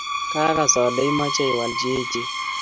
Kakas ale imeche iwal che echen